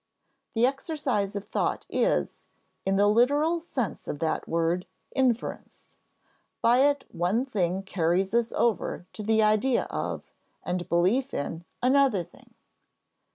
The exercise of thought is, in the literal sense of that word, inference; by it one thing carries us over to the idea of, and belief in, another thing.